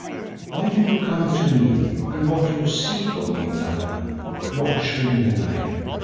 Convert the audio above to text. Why do you come to me and what do you seek of me, Allan, Watcher in the Night?